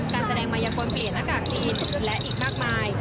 การแสดงมายกลเปลี่ยนหน้ากากจีนและอีกมากมาย